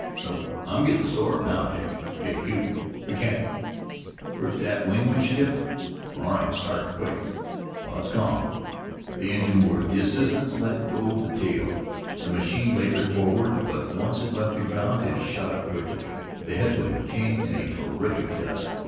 "Nope. I'm gettin' sore now, Dick.... Hey you, mechanic: hurt that wing when she tipped?... All right. Start her. Quick. While it's calm." The engine whirred. The assistants let go the tail. The machine labored forward, but once it left the ground it shot up quickly. The head wind came in a terrific gust.